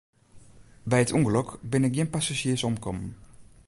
By it ûngelok binne gjin passazjiers omkommen.